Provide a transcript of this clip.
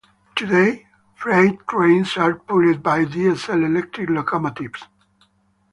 Today, freight trains are pulled by diesel-electric locomotives.